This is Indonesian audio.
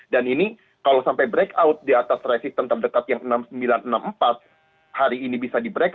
dan ini kalau sampai break out di atas resisten terdekat yang enam sembilan ratus enam puluh empat hari ini bisa di break out